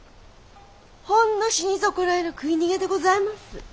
ほんの死に損ないの食い逃げでございます。